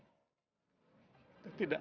tidak akan bertemu lagi